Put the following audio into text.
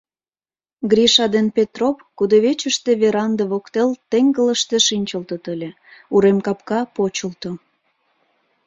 Гриша ден Петроп кудывечыште веранде воктел теҥгылыште шинчылтыт ыле, урем капка почылто.